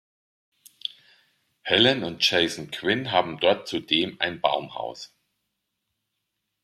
Helen und Jason Quinn haben dort zudem ein Baumhaus.